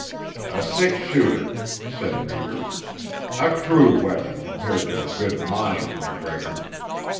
"A six shooter," said Reivers. "A crude weapon compared to a good mind, MacGregor."